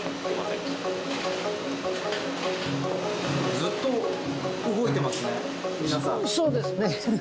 ずっと動いてますね皆さん。